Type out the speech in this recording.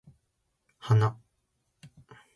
花